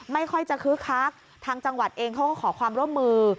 ไม่ค่อยจะคึกคักทางจังหวัดเองเขาก็ขอความร่วมมือ